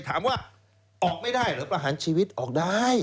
ถามว่าออกไม่ได้เหรอประหารชีวิตออกได้